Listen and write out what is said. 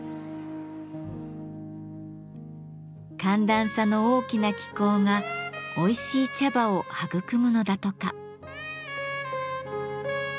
寒暖差の大きな気候がおいしい茶葉を育むのだとか。